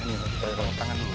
kita coba tangan dulu